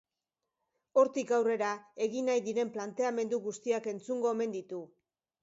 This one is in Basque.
Hortik aurrera, egin nahi diren planteamendu guztiak entzungo omen ditu.